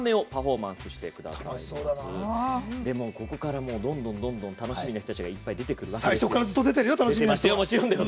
ここからどんどん楽しみな人たちが出てくるわけです。